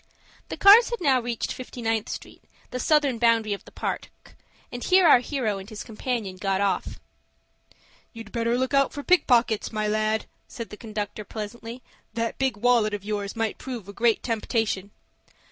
The cars had now reached Fifty ninth Street, the southern boundary of the Park, and here our hero and his companion got off. "You'd better look out for pickpockets, my lad," said the conductor, pleasantly. "That big wallet of yours might prove a great temptation."